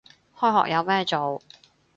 開學有咩做